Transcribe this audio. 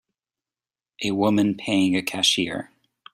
A woman paying a cashier